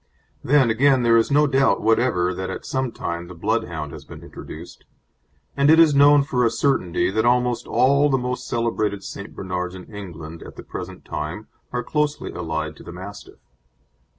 Then, again, there is no doubt whatever that at some time the Bloodhound has been introduced, and it is known for a certainty that almost all the most celebrated St. Bernards in England at the present time are closely allied to the Mastiff.